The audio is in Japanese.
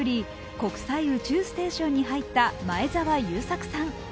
国際宇宙ステーションに入った前澤友作さん。